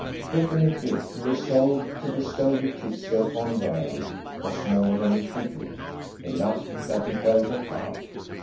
Definitely to resolve to bestow Laetitia upon Vernon was more than he could do; enough that he held the card.